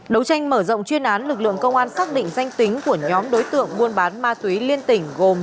đấu tranh mở rộng chuyên án lực lượng công an xác định danh tính của nhóm đối tượng buôn bán ma túy liên tỉnh gồm